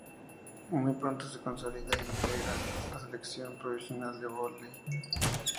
Muy pronto se consolida e integra la selección provincial de voley.